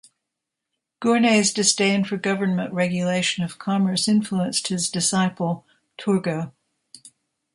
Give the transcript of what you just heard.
Gournay's disdain for government regulation of commerce influenced his disciple Turgot.